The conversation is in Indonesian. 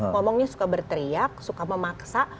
ngomongnya suka berteriak suka memaksa